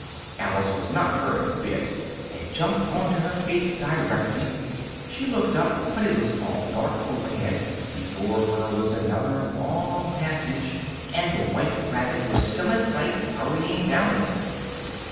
Alice was not a bit hurt, and jumped on to her feet directly: she looked up, but it was all dark overhead; before her was another long passage, and the white rabbit was still in sight, hurrying down it.